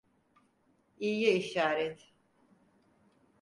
İyiye işaret.